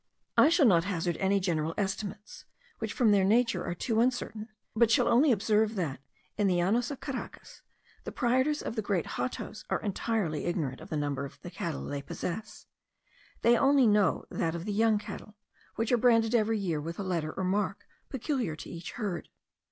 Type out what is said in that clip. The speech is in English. I shall not hazard any general estimates, which from their nature are too uncertain; but shall only observe that, in the Llanos of Caracas, the proprietors of the great hatos are entirely ignorant of the number of the cattle they possess. They only know that of the young cattle, which are branded every year with a letter or mark peculiar to each herd.